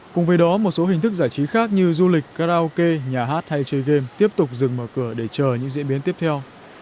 cùng với đó một số hình thức giải trí khác như du lịch karaoke nhà hát hay chơi game tiếp tục dừng mở cửa để chờ những diễn biến tiếp theo